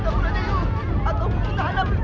jangan pada tanya